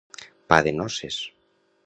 Pa de noces.